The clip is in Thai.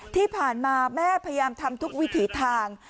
ที่ผ่านมาแม่พยายามทำทุกวิถีทาง